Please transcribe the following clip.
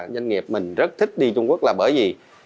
doanh nghiệp mình rất thích đi trung quốc là bởi vì